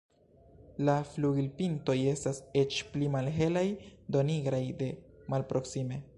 La flugilpintoj estas eĉ pli malhelaj, do nigraj de malproksime.